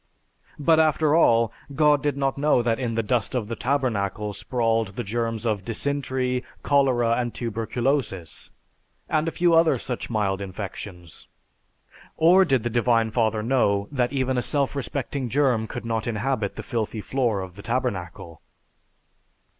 But after all, God did not know that in the dust of the Tabernacle sprawled the germs of Dysentery, Cholera, and Tuberculosis, and a few other such mild infections. Or did the Divine Father know that even a self respecting germ could not inhabit the filthy floor of the Tabernacle?